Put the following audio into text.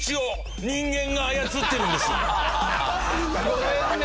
ごめんね。